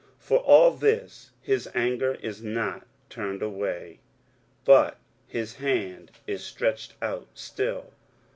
For all this his anger is not turned away, but his hand is stretched out still.